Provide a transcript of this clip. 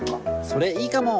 それいいかも。